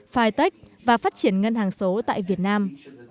phai tích và phát triển ngân hàng số tại việt nam